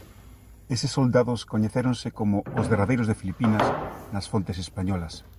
Eses soldados coñecéronse como "Os derradeiros de Filipinas" nas fontes españolas.